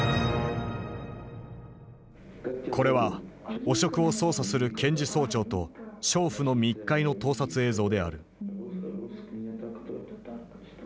これは汚職を捜査する検事総長と娼婦の密会の盗撮映像である。